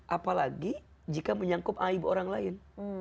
apalagi jika menyangkut aib orang lain